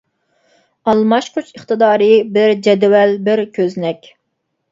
ئالماشقۇچ ئىقتىدارى بىر جەدۋەل بىر كۆزنەك.